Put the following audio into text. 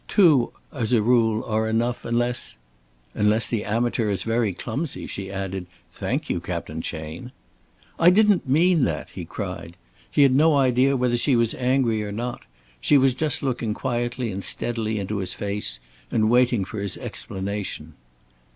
"Two, as a rule, are enough unless " "Unless the amateur is very clumsy," she added. "Thank you, Captain Chayne." "I didn't mean that," he cried. He had no idea whether she was angry or not. She was just looking quietly and steadily into his face and waiting for his explanation.